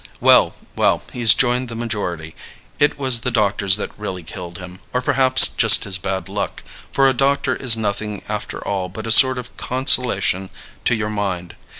Well, well, he's joined the majority. It was the doctors that really killed him, or perhaps just his bad luck; for a doctor is nothing after all but a sort of consolation to your mind.